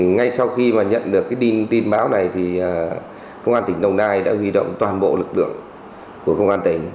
ngay sau khi nhận được tin báo này công an tỉnh long an đã huy động toàn bộ lực lượng của công an tỉnh